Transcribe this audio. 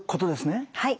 はい。